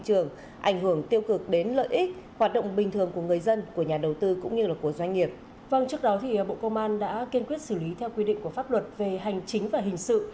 trước đó bộ công an đã kiên quyết xử lý theo quy định của pháp luật về hành chính và hình sự